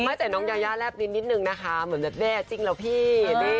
ไม่แต่น้องยายาแรบนิดนึงนะคะเหมือนแดดจริงเหรอพี่